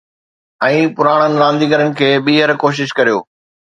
۽ پراڻن رانديگرن کي ٻيهر ڪوشش ڪريو